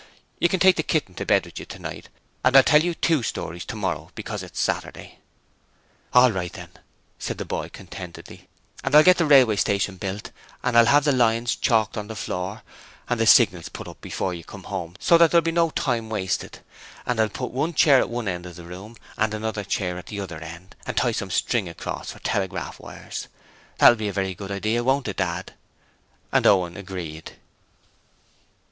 You can take the kitten to bed with you tonight and I'll tell you two stories tomorrow, because it's Saturday.' 'All right, then,' said the boy, contentedly; 'and I'll get the railway station built and I'll have the lines chalked on the floor, and the signals put up before you come home, so that there'll be no time wasted. And I'll put one chair at one end of the room and another chair at the other end, and tie some string across for telegraph wires. That'll be a very good idea, won't it, Dad?' and Owen agreed.